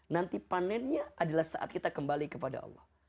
nanti panennya adalah saat kita kembali kepada allah